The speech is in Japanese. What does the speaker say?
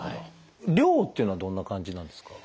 量っていうのはどんな感じなんですか？